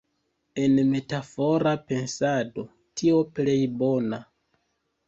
En metafora pensado "tio plej bona".